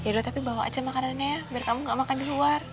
ya udah tapi bawa aja makanannya ya biar kamu gak makan di luar